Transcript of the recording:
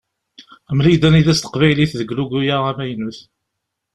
Mel-iyi-d anida-tt teqbaylit deg ulugu-a amaynut.